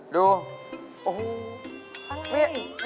ดูโอ้โฮนี่อันนี้